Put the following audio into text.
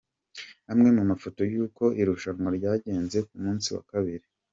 Amwe mu mafoto y’uko irushanwa ryagenze ku munsi wa kabiri.